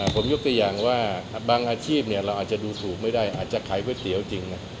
ผมยกตัวอย่างว่าบางอาชีพเราอาจจะดูถูกไม่ได้อาจจะขายก๋วยเตี๋ยวจริง